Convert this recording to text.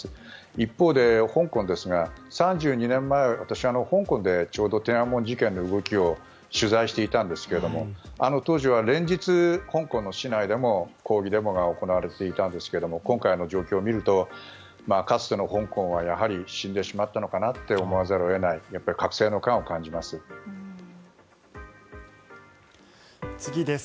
一方で、香港ですが３２年前、私は香港でちょうど天安門事件の動きを取材していたんですがあの当時は連日、香港の市内でも抗議デモが行われていたんですが今回の状況を見るとかつての香港はやはり死んでしまったのかなと思わざるを得ないやっぱり隔世の感を感じます。